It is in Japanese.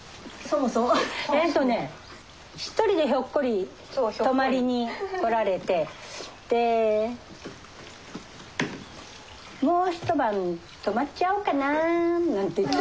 えっとね一人でひょっこり泊まりに来られてで「もう一晩泊まっちゃおうかなぁ」なんて言って。